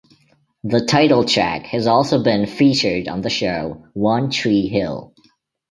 The title track has also been featured on the show "One Tree Hill".